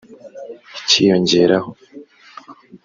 ikiyongeraho